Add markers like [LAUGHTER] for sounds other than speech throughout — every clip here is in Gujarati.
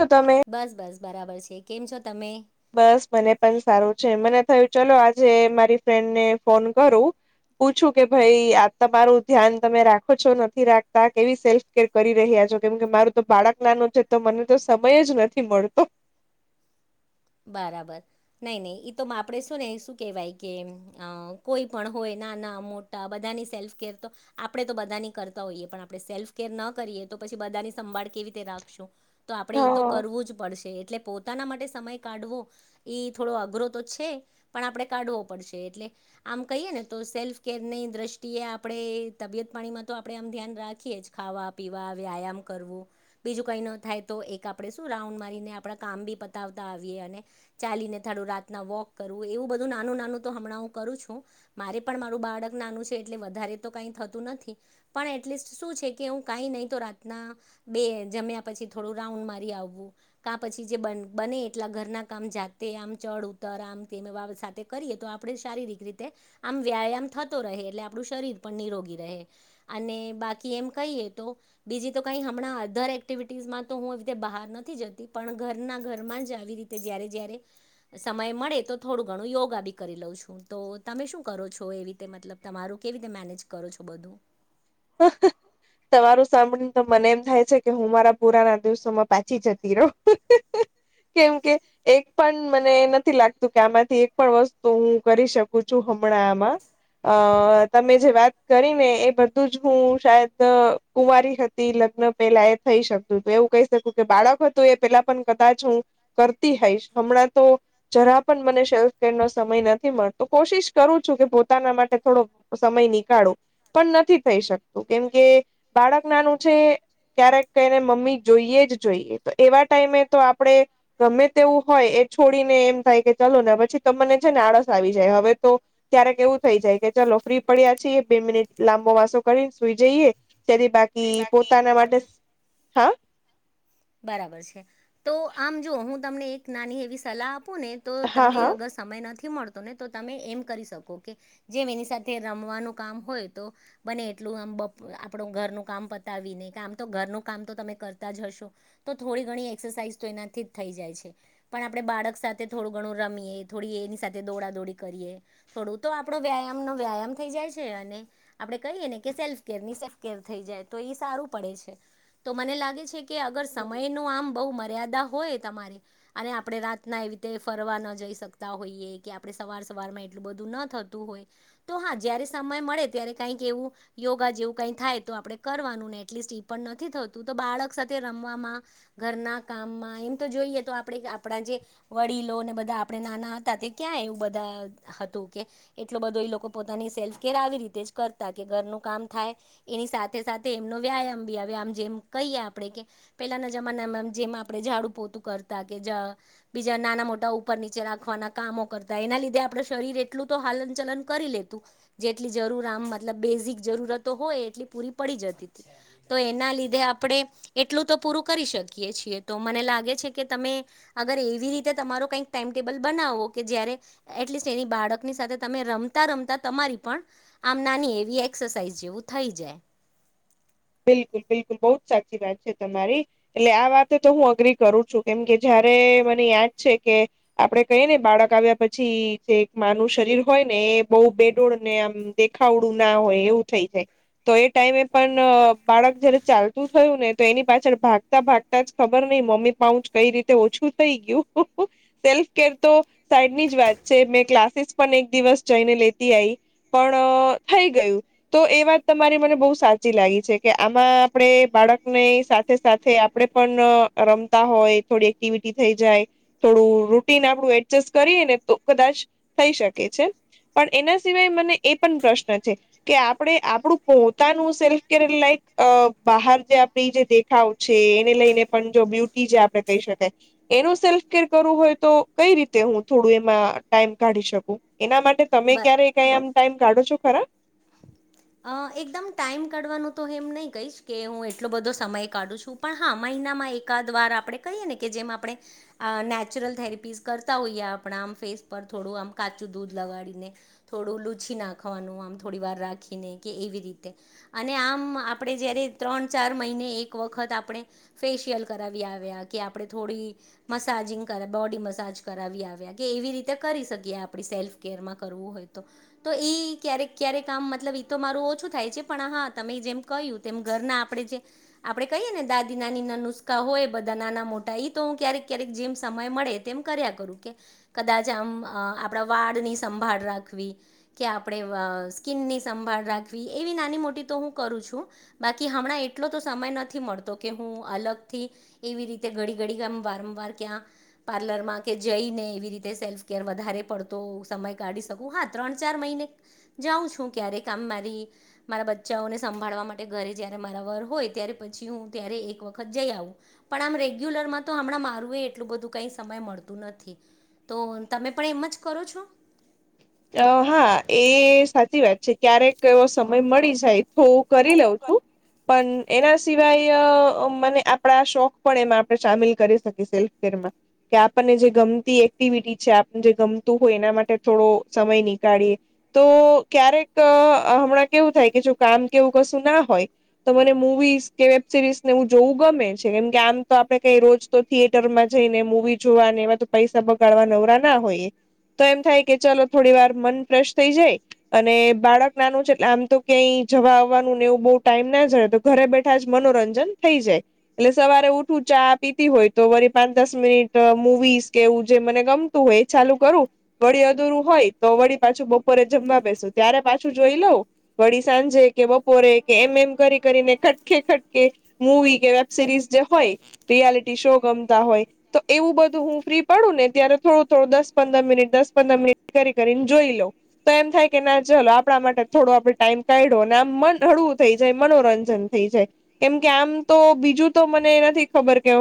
છો તમે? બસ બસ બરાબર છે કેમ છો તમે. બસ મને પણ સારું છે મને થયું ચલો આજે મારી ફ્રેન્ડને ફોન કરું. પૂછું કે ભાઈ આ તમારું ધ્યાન તમે રાખો છો નથી રાખતા કેવી સેલ્ફકેર કરી રહ્યા. કેમ કે મારું તો બાળક નાનું છે તો મને તો સમય જ નથી મળતો. [INAUDIBLE] બરાબર નહી નહી તો આપે શું ને શું કેહેવાય કે કોઈ પણ હોય ના ટા બધાની સેલ્ફર તો આપણે તો બધાની કરતા હોઈએ પણ આપણે સેલ્ફ કેર ન કરીએ તો પછી બધાની સંભાળ કેવી રીતે રાખશું તો આપણેે એ તો હા. કરવું જ પડશે એટલે પોતાના માટે સમય ા થોડો અઘરો તો છે પણ આપણે કાઢવો પડશે એટલે આમ કહીએ ને તો સેલ્ફ કેરની દ્રષ્ટિએ આપણે તબિયત પાણીમાં તો આપણે આમ ધ્યાન રાખીએ જ ખાવા પીવા આવે વ્યામ કરવ બીજું કઈ ન થાય તો એક આપડે શું રાઉન્ડ મારીને આપ કામ બી પતાવતા ચાલીને થડું રાતના વોક કરવું એવું બધું નાનું નાનું તો હમણાં હ કરું છું મારે મારું બાળક નાનું છે એટલે વધારે તો કઈ થતું નથી પણ એટસ્ટ શું છે કે હું કઈ નહી તો રાતના બે જમ્યા પછ થોડું રાઉન્ડ મારી આવવું ક પછી જે બને કેટલા ઘરના કામ જાતે આમ ચડ ઉતર આમ સાથે કરીએ તો આપડે શારીરિક રીતે વ્યાયામ થતો રહે એટલે આપણું શરીર પણ નિરોગી રહે અને બાકી એમ કહીએ તો બીજી તો કઈ હમણાં અધર એક્ટિવિટીઝમાં તો હું આવી રીતે બહાર નથી જતી પણ ઘરના ઘરમાં જ આવી રી જ્યારે જ સમય મળે તો થોડું ઘણું યોગા બી કરી લઉં છું તો તમે શું કરો. છો એવી રીતે મતલ તમારું કેવી રીતે મેનેજ કરો છો બધું. હ [UNINTELLIGIBLE] તમારું સાંભળ તો મને એમ થાય છે કે હું મારા પુરાના દિવસોમાં પાછી જતી રહ કેમ કે એક પણ મને નથી લાગતું કે આમાંથી એક પણ વસ્તુ હું કરી શકું છું. હમણા અ તમે જે વાત કરી ને એ બધ જ હું શદ કુવારી હતી લગ્ન પેલા એ થઈ શકતું તો એવું કહી શકું કે બાળક એ પેલા પણ કદાચ હું કરતી હઈશ હમણાં તો જરા પણ મને સેલ્ફ સમય નથી મળતો કોશિશ કરું છું કે પોતાના માટે થોડો સમય નીકાળો પણ નથી. થઈ શકતું કેમ કે બાળક નાનું છે. ક્યારેક કઈને મમ્મી જોઈએ જ જોઈએ તો એવા ટાઈમે તો આપણેે ગમે તેવું હોય. છોડીને એમ થાય કે ચાલ ને પછી તો મને છે ને આળસ આવી જાય હવે તો ક્યારે કે એવું થઈ જાય કે ફ્રી પડ્યા છે એ બે મિનિટ લાંબો માસો કરી સુઈ જઈએ તથી બાકી પોતાના માટે હા બરાબર છે તો આમ જોુ હું તમને એક નાની એવી સલાહ આપને તો હા તમને હા અગર સમય નથી નથી મળતો ને તો તમે એમ કરી શકો કે જે એની સાથે રમવાનું કામ હોય તો બને એ પલું આમ આપડું ઘરનું કામ પતાવીને કે આમ તો ઘરનું કામ તો તમે કરતા જ હશો તો થોડી ઘણી એક્સરસાઇઝ તો એનાથી જ થઈ જાય છે પણ આપડણે બાળક સાથે થોડું ઘણું રમીએ થોડી એની સાથે દોડા દોડી કરીએ થોડું તો આપણો વ્યાયામ નો વ્યાયામ થઈ જાય છે અને આપણે કરીયે ને કે સેલ્ફ કેર ની સેલ્ફ કેર થઈ જાય તો એ સારું પડે છે તો મને લાગે છે કે અગર સમયનું આમ બહુ મર્યાદા હોય તમારે અને આપણે રાતના એવી રીતે ફરવા ન જઈએ સકતા હોઈએ કે આપણે સવાર સવારમાં એટલું બધું ન થતું હોય તો હા જયારે સમય મળે ત્યારે કાંઇક એવું યોગા જેવું ક થાય તો આપડે કરવાનું ને એટલીસ્ટ પણ નથી થતું તો બાળક સાથે રમવામાં ઘરના કામમાં એમ તો જોઈએ તો આપણે આપણા જે વડીલોને બધા આપણે નાના હતા તે ક્યાં એવું બધા હતું કે એટલો બધો એ લોકો પોતાની સેલ્ફ કેર આવી રીત રીતે જ કરતા કે ઘરનું કામ થાય એની સાથે સાથે એમનો વ્યાયામ ભી આવે આમ જેમ કહી આપ આપણે કે પેલાના જમાનામાં જેમાં આપણે ઝાડુ પોતું કરતા કે જ બીજા નાના મોટા ઉપર નીચે રાખવાના કામો કરતા એના લીધે આપડ શરીર એટલું તો હલન ચલન કરી લેતું જેટલી જરૂર આમ મતલબ બેઝિક જરૂરતો હોય એટલી પૂરી પડી જતી હતી તો એના લીધે આપણે એટલું તો પૂરું કરી શકીએ છીએ તો મને લાગે છે કે તમે અગર એવી રીતે તમારો કઈક ટાઈમ ટેબલ બનાવો કે જેયાર એટલીશ એની બાળકની સાથે તમે રમતા રમતા તમારી પણ નાની એવી એક્સરસાઇઝ જેવું થ‌ઈ જાય. બિલકુલ બિલકુલ બહુ જ સાચી વાત છે, તમારી એટલે આ વાતે તો હું અગ્રી કરું છું, કેમ કે જ જેયારે મને યાદ છે, કે આપડે કહી ને બાળક આવ્યા પછી જે એક માનું શરીર હોય ને એ બહુ બેડોળ ને આમ દેખાવડું ના હોય એવું થઈ જાય તો એ ટાઈમે પણ બાળક જયારે ચાલતું થયું ને તો એની પાછળ ભાગતા ભાગતા જ ખબર નઈ મમ્મી પાઉંચ જ કઈ રીતે ઓછું ઉતરી ગયું સેલ કે તો સાઈડની જ વાત છે મેં ક્લાસીસ પણ એક દિવસ તેને લેતી આઈ પણ થઈ ગયું, તો એ વાત તમારી મને બહુ સાચી લાગી છે. કે આમાં આપડે બાળકને સાથે-સાથે આપડે પણ અહ રમતા હોય થોડી એક્ટિવિ ટી થઈ જાય, થોડું રૂટીન આપડું એડજસ્ટ કરીએ ને તો કદાચ થઈ શકે છે. પણ એના સિવાય મને એ પણ પ્રશ્ન છે, કે આપણે આપણું પોતાનું સેલ્ફ [UNINTELLIGIBLE] અહ બહાર જે આપડી જે દેખાવ છે, એને લઈને પણ જો બ્યુટી જે આપડે કહી શકાય એનું સેલ્ફકેર કરવું હોય તો કઈ રીતે હું થોડું એમાં ટાઈમ કાઢી શકું, એના માટે તમે બ ક્યારેય કાઈ આમ ટાઈમ કાઢો છો ખરા? અહ એકદમ ટાઈમ કાઢવાનું તો એમ નહી કહીશ કે હું એટલો બધો સમય કાઢું છું, પણ હા માંય એના માં એકાદ વાર આપણે કહીએ ને કે જેમ આપણે અહ નેચરલ થેરેપીસ કરતા હોઈએ આપણા આમ ફેસ પર થોડું આમ કાચું દૂધ લગાડીને, થોડું લુછી નાખવાનું આમ થોડી વાર રાખી ને કે એવી રીતે અને આમ આપણે જયારે ત્રણ ચાર મહિને એક વખત આપણે ફેશિયલ કરાવી આવ્યા, કે આપણે થોડી મસાજિંગ કર બોડી મસાજ કરાવી આવ્યા કે એવી રીતે કરી શકીએ આપણે સેલ્ફ કેરમાં કરવું હોય તો, તો એ ક્યારેક-ક્યારેક કામ મતલબી તો મારું ઓછું થાય છે, પણ હા તમે જેમ કહ્યું તેમ ઘરના આપણે જે આપણે કહીએ ને દાદી નાની ના નુસ્ખા હોય બધા નાના મોટા ઈ તો હું ક્યારેક-ક્યારેક જેમ સમય મળે તેમ કર્યા કરું, કે ક કદાચ આમ અહ આપણા વાળની સંભાળ રાખવી, કે આપણે વ અહ સ્કીનની સંભાળ રાખી એવી નાની મોટી તો હું કરું છું, બાકી હમણાં એટલો તો સમય નથી મળતો કે હું હું અલગ થી એવી રીતે ઘડી-ઘડી આમ વારંવાર કે આમ પાર્લર માં કે જઈ ને રી સેલ્ફ કેર વધારે પડતો સમય કાઢી શકું હા ત્રણ ચાર મહિને જાઉં છું. ક્યારે કામ મારી મારા બચ્ચાઓને સંભાળવા માટે ઘરે જ્યારે મારા વર હોય ત્યારે પછી હું ત્યારે એક વખત જઈ આવું પણ આમ રેગ્યુલરમાં તો હમણાં મારું એ એટલું બધું કઈ સમય મળતું નથી. તો તમે પણ એમ જ કરો છો. અ હા એ સાચી વાત છે, ક્યારેક એવો સમય મળી જાય. હું કરી લઉં છું. પણ એના સિવાય મને આપણા શોખ પણ એમાં આપણે સામેલ કરી શકીએ સેલ્ફકેરમાં કે આપણને જે ગમતી એક્ટિવિટી છે, આપને જે ગમતું હોય એના માટે થોડો સમય નીકાળીએે તો ક્યારેક હમણાં કેવું થાય કે જો કામ કેવું કશું ના હો તો મને મુવીસ કે વેબ સિરીઝને જોવું ગમે છે, કેમ કે આમ તો આપણે કઈ રોજ તો માં જઈને મુવી જોવાને એવા તો પૈસા બગાડવા નવરા ના હોય તો એમ થાય કે ચાલ થોડી વાર મન ફ્રેશ થઈ જાય અને બાળક નાનું છે, એટલે આમ તો ક્યાંય જવા આવવાનું ને એવું બ ટાઈમ ના જ તો ઘરે બેઠા જ મનોરંજન થઈ જાય, એટલે સવારે ઉઠવું ચા પીતી હોય તો વરી પાંચ દસ મિનિટ મુવીસ કે એવું જે મને ગમતું હોય એ ચાલુ કરું વળી અધુરું હોય તો વળી પાછું બપોરે જમવા બેસુ ત્યારે પાછું જોઈ લઉ વળી સાંજે કે બપોરે કે એમ એમ કરી કરીને કટકે કટકે મુવી કે વેબ સિરીઝ જે હોય રિયાલિટી શો હોય તો એવું બધું હું ફ્રી પડું ને ત્યારે થોડું થોડું દસ પંદર મિનિટ દસ પંદર મિનિટ કરી કરીને જોઈ લોઉ તો એમ થાય કે ના ચલો આપણા માટે થોડો આપડે ટાઈમ કાઢો અને આમ મન બહુ થ‌ઈ જાય મનોરંજન થઈ જાય કેમ કે આમ તો બીજું તો મને નથી ખબર કે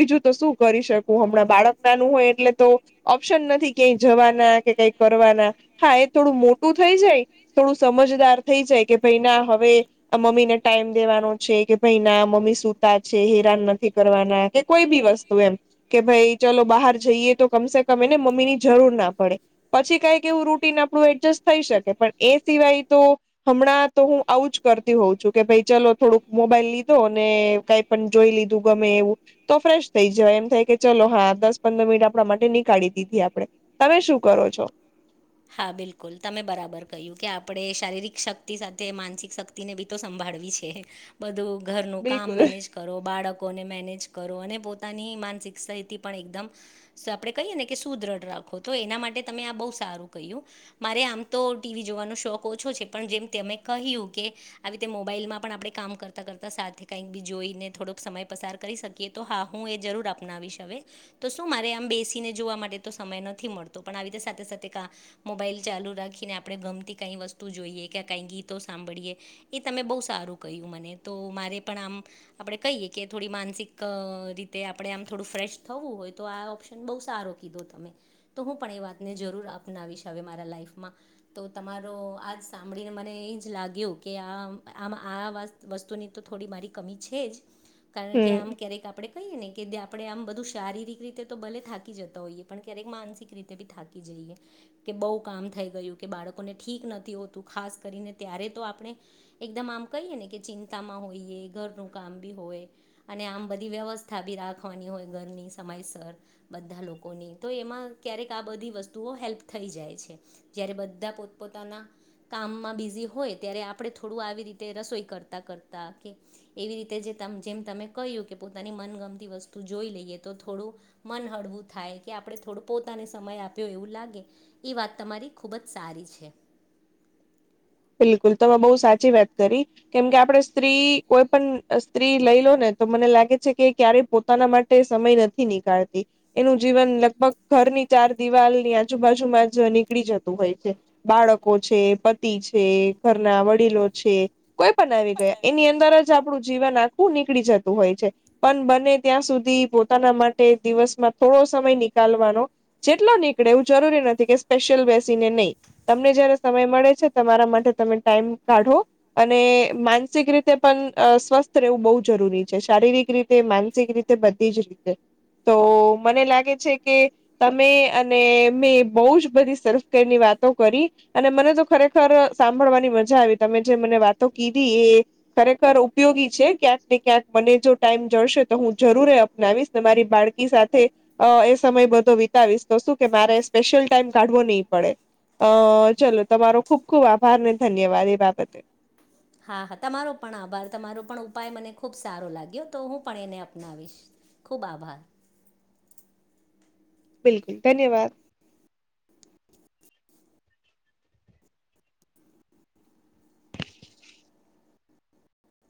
બીજું તો શું કરી શકું હમણાં બાળક નાનું હોય. એટલે તો ઓપ્શન નથી કય જવાના કઈ કરવાના હા એ થોડું મોટું થઈ જાય થોડું સમજદાર થઈ જાય કે ભાઈ ના હવે મમ્મી ને ટાઈમ દેવાનો છે, કે ભાઈ ના મમ્મી સતા છે, હેરાન નથી કરવાના કોઈ બી વસ્તુ એમ કે ભાઈ ચલો બહાર જઈએ, તો કમસે કમ એને મમ્મી ની જરૂર ના પડે. પછી કઈક એવું રૂટીન આપણું એડજસ્ટ થઈ શકે પણ એ સિવાય તો હમણાં તો હું આવું છ કરતી હોઉ છું કે ભાઈ ચલો થોડુંક મોબાઈલ લીધો ને કઈ પણ જોઈ લીધું ગમે એવું તો ફેશ થઈ જ એમ થાય કે ચલો હા દસ પંદર મિનિટ આપણા માટે નીકાળી દીધી આપણે તમે શું કરો છો હા બિલકુલ તમે બરાબર કહ્યું કે આપણે શારીરિક શક્તિ સાથે માનસિક શક્તિ ને બી તો સંભાળ છે બધું ઘરનું કામ બિલકુલ મેનેજ કરો બાળકોને મેનેજ કરો અને પોતાની માનસિક સ્િત પણ એકદમ આપણે કહીએ ને કે સુદઢ રાખો તો એના માટે તમે આ બહુ સારું આમ તો ટીવી જોવાનો શોખ ઓછો છે જેમ કહ્યું કે આવી ર મો પણ આપણે કામ કરતા કરતા સાથે કંઈક બી જોઈને થોડોક સમય પસાર કરી શકીએ તો હા હું એ જરૂર આપ અપનાવીશ હવે તો શું મારે આમ બેસીને જોવા માટે તો સમય નથી મળતો પણ આવી રીતે સાથે સાથે મોબાઈલ ચાલુ રાખીને આપણે ગમતી કઈ વસ્તુ જોઈએ કે કઈ ગીતો સાંભળીએ એ તમે બ બ સારું ક્યું મને તો મારે પણ આમ આપણે કહીએ કે થોડી માનસિક રીતે આપણે થોડું ફ્રેશ થવું હોય તો આ ઓપ્શન બહુ સારો કીધો તમે તો હું પણ એ વાતને જરૂર આપ અપનાવીશ હવે મારા લાઈફમાં તો તમારો આજ સાંભળીને મને એ જ લાગ્યું કે આ આમાં આ વસ્તુની તો થોડી મારી કમી છે જ કારણ કે હમ. આમ ક્યારેક આપડે કહીએ ને કે આપણે આમ બધું શારીરિક રીતે તો ભલે થાકી જતા હોઈએ પણ ક્યારેક માનસિક રીતે બી થાકી જઈએ કે બહ કામ થઈ ગયું કે બાળકોને ઠીક નથી હોતું ખાસ કરીને ત્યારે તો આપણે એકદમ આમ કહીએ ને કે ચિંતા માં હોઈએ ઘરનું કામ બી હોય અને આમ બધી વ્યવસ્થા બી રા રાખવાની હોય ઘરની સમયસર બધા લોકોની તો એમાં ક્યારેક આ બધી વસ્તુઓ હેલ્પ જાય જ બધા પોતપતાના કામમાં બિઝી હોય ત્યારે આપણે થોડું ર રસોઈ કરતા કરતા એવી રીતે જેમ તમે કહ્યું કે પોતાની મનગમતી વસ્તુ જોઈ લઈએ તો થોડું મન હળવું થાય કે આપણે થોડું પોતાને સમય આપ્યો એવું લાગે એ વાત તમારી ખૂબ જ સારી છે બિલકુલ તો બહુ સાચી વાત કરી કેમકે આપડે સ્ત્રી કોઈ પણ સ્ત્રી લઈ લો ને તો મને લાગે છે કે એ ક્યારેય પોતાના માટે સમય નથી નીકાળતી એનું જીવન લગભગ ધર ની ચાર દિવાલ ની આજુબાજુમાં જ નીકળી જતું હોય છે બાળકો છે, પતિ છે ઘરના વડીલો છે, કોઈ પણ આવી ગયા એની અંદર જ આપ આપડુ જીવન આખું નીકળી જતું હોય છે પણ બને ત્યાં સુધી પોતાના માટે દિવસમાં થો થોડો સમય નીકાલવા નો જેટલો નીકળે એવું જરૂરી નથી કે સ્પેશિલ બેસીને નહી તમને જયારે સમય મળે છે તમારા માટે તમે ટાઈમ કાઢો અને માનસિક રીતે પણ સ્વસ્થ રહેવું બવ જરૂરી છે શારીરિક રીતે, માનસિક રીતે બધી જ રીતે તો મને લાગે છે કે તમે અને મેં બહુ જ બધી સેલ્ફ કરીની વાત વાતો કરી અને મને તો ખરેખર સાંભળવાની મજા આવી તમે જે મને વાતો કીધી એ ખરેખર ઉપયોગી છે ક્યાંક મને જો ટાઈમ જળશે તો હું જરૂર અપનાવીશને મારી બાળકી સાથે અ એ સમય વિતાવીશ તો શું કે મારે સ્પેશિયલ ટાઈમ કાઢવો નહીિ પડે અ ચાલો તમારો ખુબ ખૂબ આભાર ને ધન્યવાદ એ બાબતે. હા હા તમારો પણ આભાર તમારો પણ ઉપાય મને ખુબ સારો લાગ્યો તો હું પણ એને અપનાવીશ. ખૂબ આભાર. બિલકુલ ધન્યવાદ.